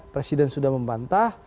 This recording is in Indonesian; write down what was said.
presiden sudah membantah